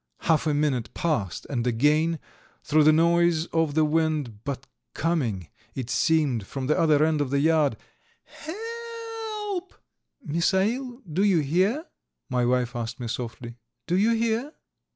Half a minute passed, and again through the noise of the wind, but coming, it seemed, from the other end of the yard: "He e elp!" "Misail, do you hear?" my wife asked me softly. "Do you hear?"